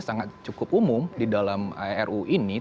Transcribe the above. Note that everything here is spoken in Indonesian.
sangat cukup umum di dalam ru ini